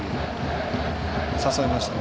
誘いましたね。